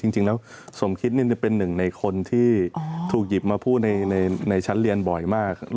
จริงแล้วสมคิดนี่เป็นหนึ่งในคนที่ถูกหยิบมาพูดในชั้นเรียนบ่อยมาก